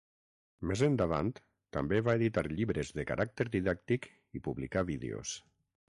Més endavant també va editar llibres de caràcter didàctic i publicà vídeos.